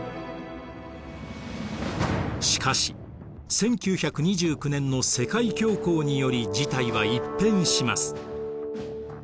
しかし１９２９年の世界恐慌により事態は一変します。